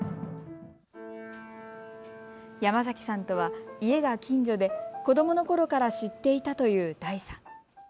山崎さんとは家が近所で子どものころから知っていたという臺さん。